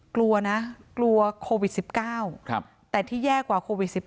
กลัวนะกลัวโควิด๑๙แต่ที่แย่กว่าโควิด๑๙